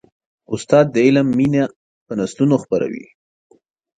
استاد د علم مینه په نسلونو خپروي.